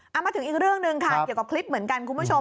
เอามาถึงอีกเรื่องหนึ่งค่ะเกี่ยวกับคลิปเหมือนกันคุณผู้ชม